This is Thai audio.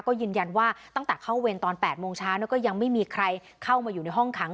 ก็ยืนยันว่าตั้งแต่เข้าเวรตอน๘โมงเช้าแล้วก็ยังไม่มีใครเข้ามาอยู่ในห้องขัง